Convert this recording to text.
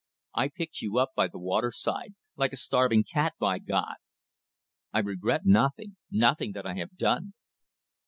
I picked you up by the waterside, like a starving cat by God. I regret nothing; nothing that I have done.